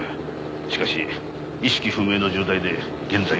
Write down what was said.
しかし意識不明の重体で現在は病院に。